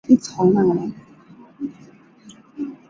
殿试登进士第三甲第一百五十名。